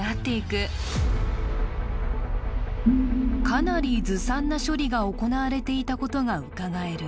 かなりずさんな処理が行われていたことがうかがえる。